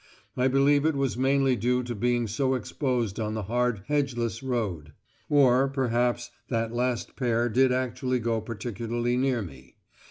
I believe it was mainly due to being so exposed on the hard hedgeless road; or, perhaps that last pair did actually go particularly near me.